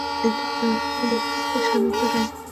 এটা তোর কণ্ঠকে শান্ত রাখবে।